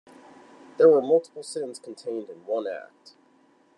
There were multiple sins contained in one act.